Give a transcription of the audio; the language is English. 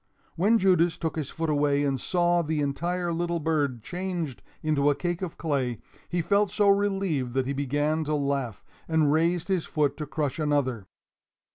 When Judas took his foot away and saw the entire little bird changed into a cake of clay, he felt so relieved that he began to laugh, and raised his foot to crush another.